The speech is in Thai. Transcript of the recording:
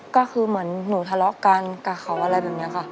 ก็คือเหมือนหนูทะเลาะกันกับเขาอะไรแบบนี้ค่ะ